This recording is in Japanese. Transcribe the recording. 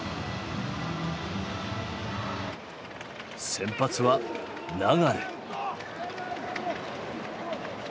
先発は流。